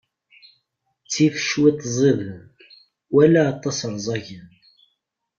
Ttif cwiṭ ẓiden, wala aṭas ṛẓagen.